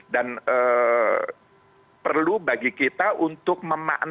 dan perlu bagi kita untuk memanfaatkan